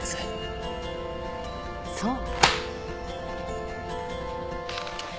そう。